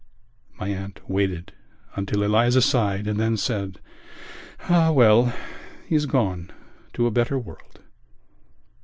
My aunt waited until Eliza sighed and then said: "Ah, well, he's gone to a better world."